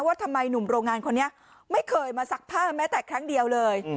ว่าทำไมหนุ่มโรงงานคนนี้ไม่เคยมาซักผ้าแม้แต่ครั้งเดียวเลย